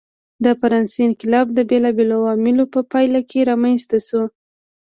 د فرانسې انقلاب د بېلابېلو عواملو په پایله کې رامنځته شو.